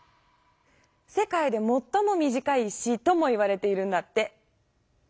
せかいでもっともみじかい詩ともいわれているんだって。